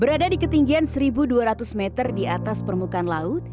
berada di ketinggian satu dua ratus meter di atas permukaan laut